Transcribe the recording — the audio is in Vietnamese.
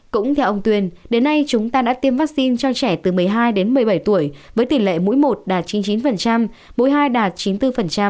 cũng theo ông tuyền đến nay chúng ta đã tiêm vaccine cho trẻ từ một mươi hai đến một mươi bảy tuổi với tỷ lệ mũi một đạt chín mươi chín mũi hai đạt chín mươi bốn